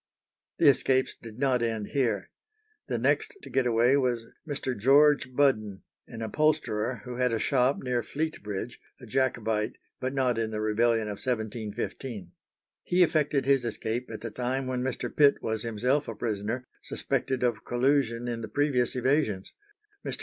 The escapes did not end here. The next to get away was Mr. George Budden, an upholsterer, who had a shop near Fleet Bridge, a Jacobite, but not in the rebellion of 1715. He effected his escape at the time when Mr. Pitt was himself a prisoner, suspected of collusion in the previous evasions. Mr.